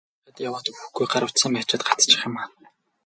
Ногоон гэрэл асчхаад байхад яваад өгөхгүй, гар утсаа маажаад гацчих юм аа.